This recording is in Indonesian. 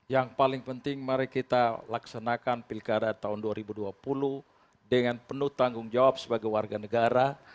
yang paling penting mari kita laksanakan pilkada tahun dua ribu dua puluh dengan penuh tanggung jawab sebagai warga negara